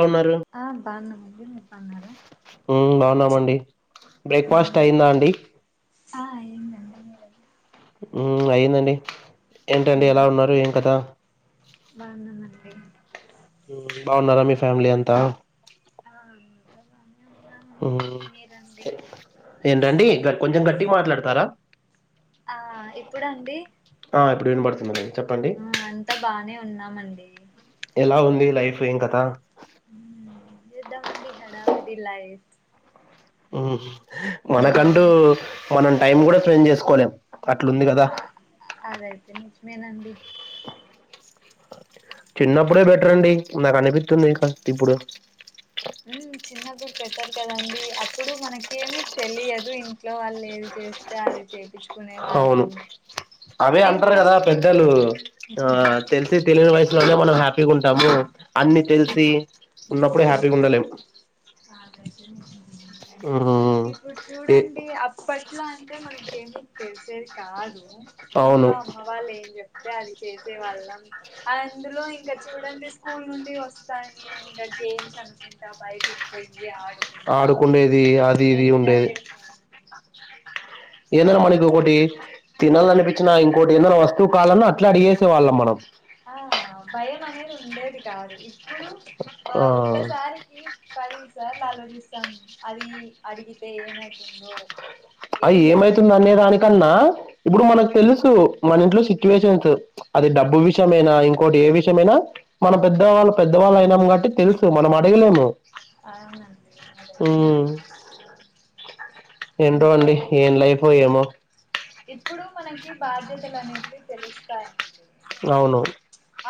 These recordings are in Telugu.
అవునరు ఆ బాన్నాం అండి మీరు బాన్నారా ఉ బాన్నామండి బ్రేక్ఫాస్ట్ అయిందా అండి ఆ అయిందండి మీరండి ఉ అయిందండి ఏంటండి ఎలా ఉన్నారు ఏం కథ బాన్నామండి ఉ బాగున్నారా మీ ఫ్యామిలీ అంతా ఆ అంత బానే ఉన్నామండి మ్మ్ మీరండి ఏంటండి గ కొంచెం గట్టి మాట్లాడతారా ఆ ఇప్పుడు అండి ఆ ఇప్పుడు వినపడుతుంది చెప్పండి అంత బానే ఉన్నామండి ఎలా ఉంది లైఫ్ ఏం కథ ఉ చేద్దాం అండి హడావిడి లైఫ్ ఉ మనకంటూ ఉమ్ మనం టైం కూడా స్పెండ్ చేసుకోలేం అట్లుంది కదా ఆ అదైతే నిజమేనండి చిన్నప్పుడే బెటర్ అండి నాకి అనిపిస్తుంది ఇక ఇప్పుడు ఉ చిన్నప్పుడు బెటర్ కదండి అప్పుడు మనకేమి తెలియదు ఇంట్లో వాళ్ళు ఏది చేస్ తే అది చెపిచ్ హవును అవే అంటారు ఇంకా కదా స్కూల్ పెద్దలు ఆ తెలు సి తెలియని వయసులోనే మనం హ్యాపీగా ఉంటాము అన్ని తెలిసి ఉన్నప్పుడే హ్యాపీగా ఉండలేం ఇప్పుడు ఏ చూడండి అప్పట్ ట్లా అంటే మనకేమి తెలిసేది కాదు అవును ఇంట్లో అమ్మ వాళ్ళ ఏం చెప్తే అది చేసే వాళ్ళం అందులో ఇంగా చూడండి స్కూల్ నుండి మస్తాన్ ఎ ఇంకా గేమ్స్ అనుకుంటా బయిటి పొయ్యి ఆడుకుంటా ఆడుకుండేది అది ఇది ఎంజాయ్ ఉండేది చేస్తాన్ ఏందన్నా మనకి ఒకటి తినాలనిపించినా ఇంకోటి ఏదన్నా వస్తువు కాాలన్నా అట్లా అడిగేసే వాళ్ళం మనం ఆ భయం అనేది ఉండేది కాదు ఇప్పుడు ఆ వావ్ ఒక్కసారికి పది సార్లు ఆలోచిస్తాం అది అడిగితే ఏమైతుందో అయి ఏం ఏమైతుంది అనే జరుగుతుందో దానికన్నా ఇప్పుడు మనకు తెలుసు మన ఇంట్లో సిచ్యువేషన్స్ అది డబ్బు విషయమేనా ఇంకోటి ఏ విషయమేనా మన పెద్దవాళ్ళు పెద్దవాళ్ళు అయినాం కాబట్టి తెలుసు మనం అడగలేము అవునండి అది అయితే ఉమ్ నిజమే ఏంటో ఇంట్లో అండి ఏం లైఫో ఏమో ఇప్పుడు మనకి బాధ్యతలు అనేవి తెలుస్తాయండి. కొంచెం అవును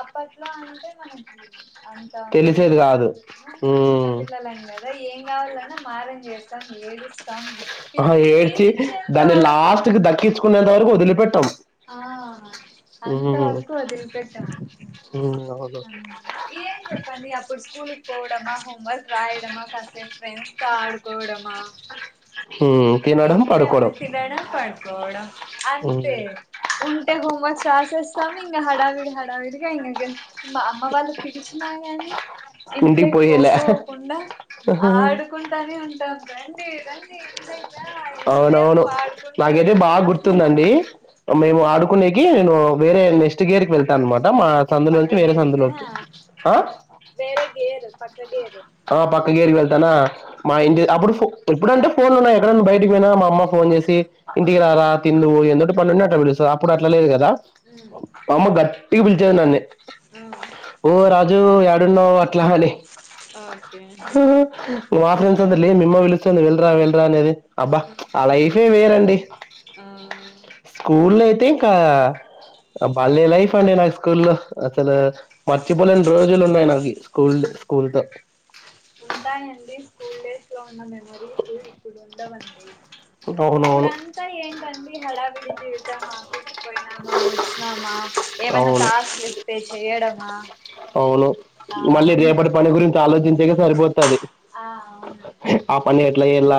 అప్పట్లో అంటే మనకి అంతా ఉండేది తెలిసేది కాదు కావు చిన్న ఉమ్ పిల్లలండి అరే ఏం కావాలన్నా మారం చేస్తాం ఏడుస్తాం. ఆహ ఏడ్చి తీసిచ్చేంత దాన్ని వరకు లాస్ట్ కి దక్కించుకునేంత వరకు వదిలిపెట్టాం ఆ ఉమ్ అంతవరకు వదిలిపెట్టాం ఉమ్ అవును ఏం చెప్పండి అప్పుడు స్కూలికి పోవడమా హోం వర్క్ రాయడమా, కాసేపూ ఫ్రెండ్స్ తో ఆడుకోవడమా, ఉ ఇట్లేమన్నా తినడం పడుకోవడం ఉమ్ అంతే ఉంటే హోమ్ వర్క్ క్లాసెస్స్తా ఇంగ హడావిడి హడావిడిగ ఇంగ గెంతు మా అమ్మ వాళ్ళు పిలీచిన గాని ఇంటికి ఇంట్లోకి పోయేలే పోకోకుండా ఆడుకుంట తనే ఉంటాం రండి రండి ఇంట్లకి అవునవును నాకైతే బాగా ఇంకా గుర్తుందండి. మేము ఆడుకునేకి ఉ వేరే నెక్స్ట్ గేర్ కి వెళ్తాను అనమాట మా సందులోంచి వేరే సందులోంచి ఆ వేర గేరు పక్క గేరు అ పక్క గేరి వెళ్తానా మా ఇంటి అప్పుడు ఇప్పుడుంటే ఫోన్లు ఉన్నాయీ ఎక్కడ బయటకి పోయినా మా అమ్మ ఫోన్ జేసి ఇంటికి రారా తిన్దువ్ ఎందుోటి పనుండి అట్లా పిలుస్తాదిఅప్పుడు అట్లా లేదు కదా ఉము మా అమ్మ గట్టిగా పిలిచేది నన్ని ఆ ఓ రాజు ఏడున్నావు అట్లా అనీ ఓకే [unintelligible] మీ అమ్మ విలుస్తంది వెల్రా వెల్రా అనేది అబ్బా ఆ లైఫే వేరండి ఆ స్కూల అయితే ఇంకా బాలే లైఫ్ అండి నాకు స్కూల్లో అసలు మర్చిపోలేని రోజులు ఉన్నాయి నాకి స్కూల్ డేస్ కొంత ఉంటాయడి స్కూల్ డేస్ లో ఉన్న మెమరీస్ ఇప్పుడు ఉండవండి అవునవును ఇప్పుడాన్ అంత ఏంటండి హడావిడి జీవితామా ఆఫీసుకి పోయినామా వచ్చినామా ఏమన్నా అవును టాస్లు ఇస్తే చెయడమా అవును, మళ్ళీ రేపటి పని గురించి ఆలోచించేకే సరిపోతది. ఆ అవునండి ఆ పని ఎట్లా ఎయల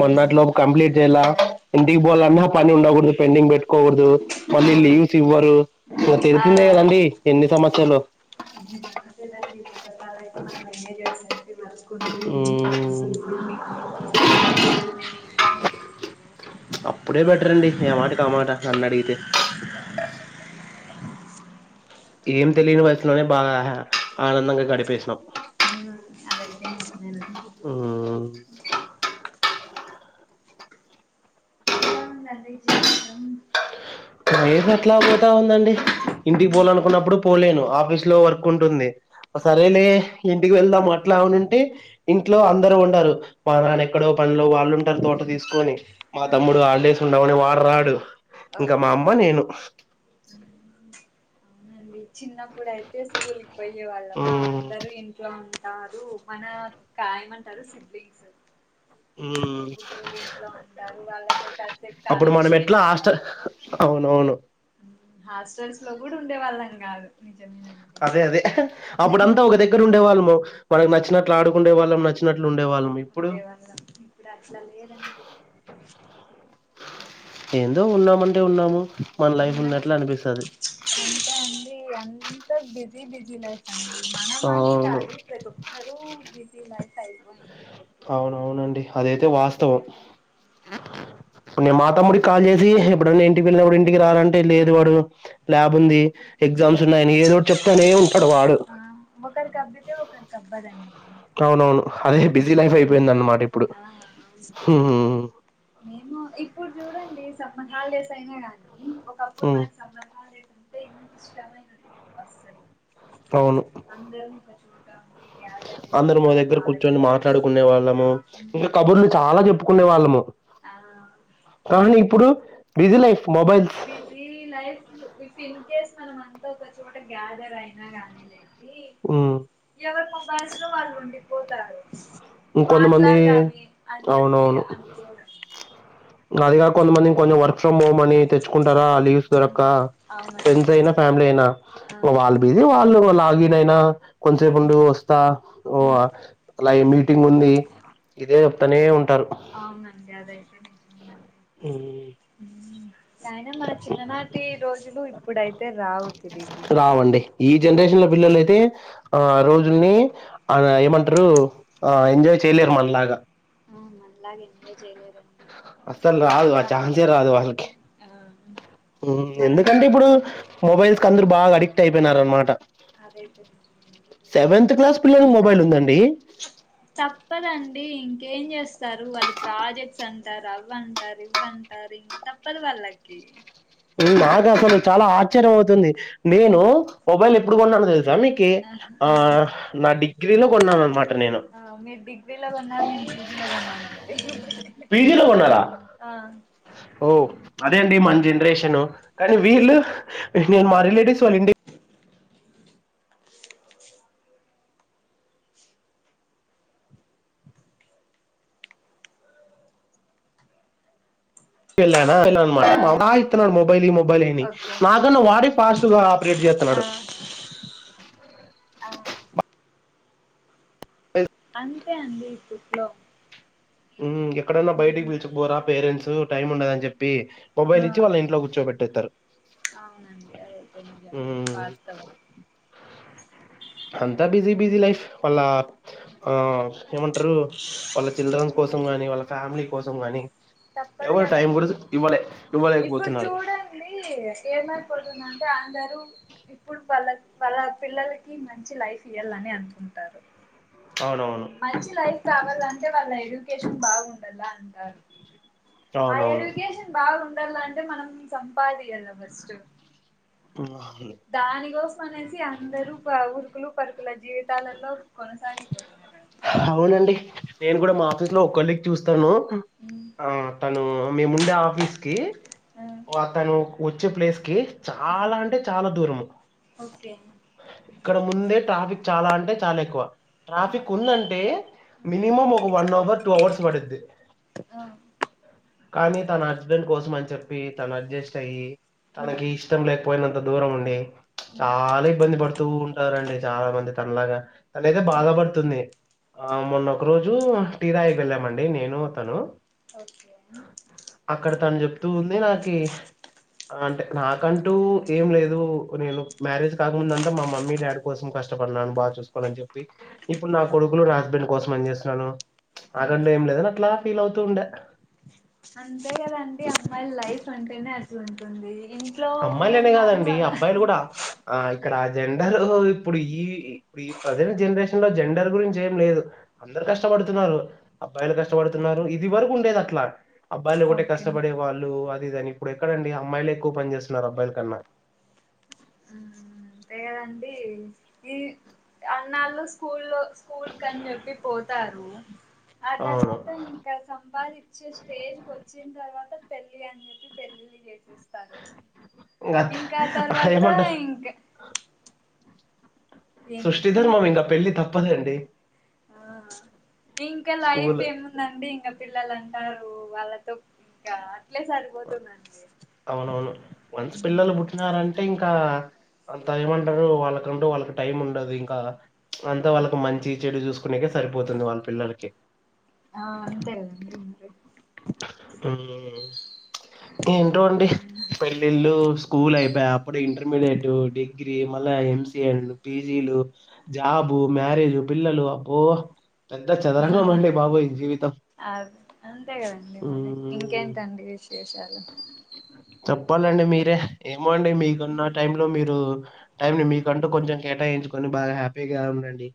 మొన్నట్లో కంప్లీట్ చేయాల ఇంటిక్ పోలఅన్నా పని ఉండకూడదు పెండింగ్ పెట్టుకోకూడదు ఆ మళ్ళీ లీవ్స్ ఇవ్వరు ఇగ తెలిసిందే కదండి ఎన్ని సమస్యలో [inaudible] కుంది మ్మ్ [inaudible] అప్పుడే బెటర్ అండి ఏ మాట కామాట నన్ను అడిగితే ఏం తెలియని వయసులోనే బాగా ఆనందంగా గడిపేసినం ఆ అదేైతే నిజమేనండి ఊమ్ ఎలా ఉందండి జీవితం? మైరు ఎట్లా పోతా ఉందండి? ఇంటికి పోవాలనుకున్నప్పుడు పోలేను ఆఫీస్ లో వర్క్ ఉంటుంది సరేలే ఇంటికి వెళ్దాం అట్లా ఉనింటే ఇంట్లో అందరూ ఉండరు మా నాన్న ఎక్కడో పన్లో వాళ్ళు ఉంటారు తోట తీసుకొని మా మ్మ్ తమ్ముడు హాలిడేస్ ఉండవని వాడు రాడు ఇంకా మా ఓకే అమ్మ నేను అవునండి చిన్నప్పుడు అయితే స్కూల్కి పోయే వాళ్ళమా మ్మ్ అందరూ ఇంట్లో ఉంటారు మన కాయ్ మంటారు సిబ్లింగ్స్ మా మ్మ్ తోబుట్టూలు ఇంట్లో ఉంటారు వాళ్ళతో కాసేపు అప్పుడు మనం ఎట్లా కాలక్షేపంగా హాస్టల్ అవునవును హాస్టల్స్ లో కూడా ఉండే వాళ్ళం కాదు నిజమేనం అదే అదే అప్పుడు అంతా ఒక దగ్గర ఉండే వాళ్ళము మనకు ఆ నచ్చినట్లు ఆడుకుండే వాళ్ళం నచ్చినట్లు ఉండే వాళ్ళమి ఉండేవాళ్ళం ఇప్పుడు అట్ల లేదండి ఏందో ఉన్నామంటే ఉన్నాము మన లైఫ్ ఉన్నట్లు అనిపిస్తది ఎంత అండి అంత బిజీ బిజీ లైఫ్ మన మని అవును కాదు ప్రతి ఒక్కరూ బిజీ లైఫ్ అయిపోయింది ఇప్పుడు అవున అవునండి అదైతే వాస్తవం నేను మాతమ్ముడికి కాల్ చేసి ఎప్పుడన్నా ఇంటికి వెళ్ళినప్పుడు ఇంటికి రా రా అంటే లేదు వాడు ల్యాబ్ ఉంది ఎగ్జామ్స్ ఉన్నాయని ఏదోటి చెప్తానే ఉంటాడు వాడు ఆ ఒకరికి అబ్బితే ఒకరికి అబ్బదండి అవునవును అదే బిజీ లైఫ్ అయిపోయింది అన్మాట ఇప్పుడు ఆ అవునండి హ్ము్ మేము ఇప్పుడు చూడండి సమ్మర్ హాలిడేస్ అయినా కానీ ఒకప్పుడు హ్మ్ మనకు సమ్మర్ హాలిడేస్ అం అంటే ఇంకి ఇష్టమైనట్ అస్సలు తవును అందరం ఒక చోట ఉండి గ్యాదర్ అయ్యి అందరం ఓ బాగా దగ్గర ఆడు కూర్చొని మాట్లాడుకునే వాళ్ళము ఇంకా కబుర్లు చాలా చెప్పుకునే వాళ్ళము అవును కానీ ఇప్పుడు busy life mobiles busy life if in case మనం అంతా ఒక చోట గ్యాదర్ అయినా గానీ లేండి ఉమ్ ఎవరు మొబైల్స్లో వాళ్ళు ఉండిపోతారు ఇంకొంతమంది మాట్లాడదామే అని చెప్పి అనుకోరు అదిగా కొంత మమందికి కొంచెం వర్క్ ఫ్రమ్ హోమ్ అని తెచ్చుకుంటారా లీవ్ దొరక్కా అవునండి ఫ్రెండ్స్ అయినా ఫ్యామిలీ అయినా ఆ వాళ్ళు బిజీ వాళ్ళు లాగిన్ అయినా కొంత్సేపు ఉండు వస్తా ఓ ఉమ్, లై మీ టింగ్ ఉంది ఇదే చెప్తానే ఉంటారు అవునండి అదైతే నిజమేనండి ఉమ్, కైన మన చిన్ననాటి రోజులు ఇప్పుడైతే రావు తిరిగి అవండి ఈ జనరేషన్ లో పిల్లలు అయితే ఆ రోజుల్ని ఆ ఏమంటారు ఆ ఎంజాయ్ చేయలేరు మనలాగా ఆ మనలాగా ఎంజాయ్ చేయలేరండి అస్సలు రాదు ఆ అంతా ఛాన్స్ ఎ రాదు వాళ్లకి ఆ ఉ మనం ఏం ఎందుకంటే చే ఇప్పుడు మొబైల్స్ కి అందరు బాగా అడిక్ట్ అయిపోయినారనమాట అదయితే నిజమేనండి సెవెంత్ క్లాస్ పిల్లలకు మొబైల్ ఉందండి చె తప్పదండి ఇంకేం చేస్తారు వాళ్ళు ప్రాజెక్ట్స్ అంటారు అవ్వంటారు ఇవ్వంటారు ఇవ్వంటారు ఇంక తప్పదు వాళ్ళకి నాకు అసలు చాలా ఆశ్చర్యం అవుతుంది నేను మొబైల్ ఎప్పుడు కొన్నానొ తెలుసా మీకి ఆ నా డిగ్రీలో కొన్నాను అనమాట నేను అ మీరు డిగ్రీలో కొన్నారు నేను పీజీలో కొన్నానండి పీజీలో కొన్నారా ఆ ఓ అదే అండి మన జనరేషన్ కానీ వీళ్ళు నేను మా రిలేటివ్స్ వాళ్ళ ఇంటికీ ఎల్లాన ఆ సతాయిస్తున్నాడు మొబైల్ఇ మొబైల్ ఇ అని ఓకే నాకన్న వాడే ఫాస్ట్ గా ఆపరేట్ చేస్తున్నాడు అవున ఎ అంతే అండి ఇప్పట్లో ఉ ఎక్కడైనా బయటకి పిలుచుకపోరా పేరెంట్స్ టైం ఉండదని చెప్పి ఆ మొబైల్ ఇచ్చి వాళ్ళని ఇంట్లో కూర్చోబెడతరు తర్ అవునండి అదయితే నిజమే ఉమ్, వాస్తవం అంతా బిజీ బిజీ లైఫ్ వాళ్ళ ఆ ఏమంటారు వాళ్ళ చిల్డ్రన్స్ వాళ్ల కోసం కాని వాళ్ళ ఫ్యామిలీ కోసం కాని తప్పదు ఎవరు టైం కూడా కదండి ఇవ్వలే ఇవ్వలేకపోతున్నారు అండి ఏమైపోతుందంటే అందరూ ఇప్పుడు వాళ్ళ వాళ్ళ పిల్లలకి మంచి లైఫ్ ఇయ్యాలని అనుకుంటారు అవునవును మంచి లైఫ్ కావాలంటే వాళ్ళ ఎడ్యుకేషన్ బాగుండాల అంటారు ఆ అవునవును ఎడ్యుకేషన్ బాగాండాల అంటే మనం సంపాదియాల ఫస్ట్ ఆ దాని కోసం అనేసి అందరూ ఉరుకులు పరుకుల జీవితాలలో కొనసాగిపోతారు అవునండి నేను కూడా మా ఆఫీస్ లో ఒ కొలీగ్ చూస్తాను అతను మేముండే ఆఫీస్ కి అతను వచ్చే ప్లేస్ కి చాలా అంటే చాలా దూరము ఓకే ఇక్కడ ముందే ట్రాఫిక్ చాలా అంటే చాలా ఎక్కువ ట్రాఫిక్ ఉందంటే మినిమం ఒక వన్ అవర్ టూ అవర్స్ పడుద్ది ఆ కానీ తన హస్బెండ్ కోసం అని చెప్పి తను అడ్జస్ట్ అయ్యి తనకి ఇష్టం లేకపోయినంత దూరం ఉండి చాలా ఇబ్బంది పడుతూ ఉంటారండి చాలా మంది తనలాగా తనయితే బాధ పడుతుంది ఆ మొన్న ఒక రోజు టీ తాగేకి వెళ్ళామండి నేను అతను ఓకే అక్కడ తను చెప్తూ ఉంది నాకి అంటే నాకంటూ ఏం లేదు నేను మ్యారేజ్ కాకముందంతా మా మమ్మీ డాడ కోసం కష్టపడినాను బాగా చూసుకోవాలని చెప్పి ఇప్పుడు నా కొడుకులు నా హస్బెండ్ కోసం అని చేస్తున్నాను ఆటంటు ఏం లేదు అట్లా ఫీల్ అవుతూ ఉండే అంతే కదండి అమ్మాయిల లైఫ్ అంటేనే అట్ల ఉంటుంది ఇంట్లో అమ్మాయిలనే ఉన్ననళు కాదండి వాళ్ళ అబ్బాయిలు కూడా ఆ ఇక్కడ అ జెండాలు ఇప్పుడు ఈ ఇప్పుడు ఈ ప్రజెంట్ జనరేషన్ లో జెండర్ గురించి ఏం లేదు అందరు కష్టపడుతున్నారు అబ్బాయిలు కష్టపడుతున్నారు ఇది వరకు ఉండేది అట్లా అబ్బాయిలు ఒకటే ఓకే కష్టపడే వాళ్ళు అది ఇది అని ఇప్పుడు ఎక్కడడండి అమ్మాయిలే ఎక్కువ పని చేస్తున్నారు అబ్బాయిల కన్నా ఆ అంతే ఏదండి ఈ అన్నాళ్లు స్కూల్ లో స్కూల్ కని చెప్పి పోతారు ఆ అవును తర్వాత ఇం ఇక సంపాద ఇచ్చే స్టేజ్ కు వచ్చిన తర్వాత పెళ్ళి అని చెప్పి పెళ్ళిలు చేసె ఇంకా అత- తర్వాత ఏమంటారు ఇంక్ సృష్టి ఏందండి ధర్మం ఏదో ఇంకా చెప్ప పెళ్లి తప్పదండి. ఆ ఇంకా లైఫ్ స్కూల్ ఎమ్ నండి ఇంకా పిల్లలు అంటారు వాళ్ళతో ఇంకా అట్లే సరిపోతుందండి అవునవును వన్స్ పిల్లలు పుట్టినారంటే ఇంకా అంత ఏమంటారు వాళ్ళకంటూ వాళ్ళకి టైం ఉండదు ఇంకా ప్చ్ అంతా వాళ్ళకి మంచి చెడు చూసుకునేకె సరిపోతుంది వాళ్ళ పిల్లలకి ఆ అంతే కదండి ఇంప్రె ఆవ్ [unintelligible] ఏంటో అండి పెళ్ళిళ్ళు స్కూల్ అయిపోయా అప్పుడే ఇంటర్మీడియటు, డిగ్రీ మళ్ళా ఎంసి అండ్ పీజీలు, జాబు, మ్యారేజు, పిల్లలు అబ్బో పెద్ద చదరంగం అండి బాబు ఈ జీవితం. అబ్ అంతే కదండి మరి హ్మ్. ఇంకేంటండి విశేషాలు. చెప్పాలండి మీరే ఏమో అండి మీకన్న టైం లో మీరు టైమ్ ని మీకంటూ కొంచెం కేటాయించుకొని బాగా హ్యాపీగా ఉండండి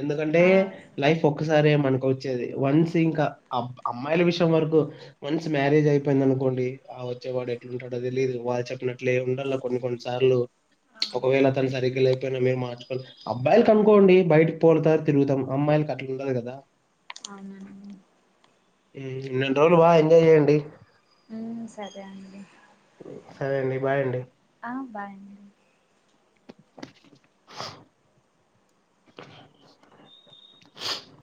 ఎందుకంటే ఆ సరే లైఫ్ ఒక్కసారే మనకు వచ్చేది వన్స్ ఇంకా అబ్ అమ్మాయిల విషయం వరకు వన్స్ మ్యారేజ్ అయిపోయిందనుకోండి ఆ వచ్చేవాడే ఉంటాడో తెలిదు వాళ్ళు చెప్పినట్లే ఉండాల కొన్ని కొన్నిసార్లు ఒకవేళ అవునండి అతను సరిగ్గ లేకపోయినా మీర్ మార్చుకోవాల అబ్బాయిలు కనుకోండి బయటకి తోలుతారు తిరుగుతాం అమ్మాయిలకి అట్లా ఉండదు కదా అవునన్ మొన్న ఊ రెండు రోజులు బాగా ఎంజాయ్ చేయండి ఉ సరే అండి ఉ సరే అండి బాయండి ఆ బాయం [unintelligible]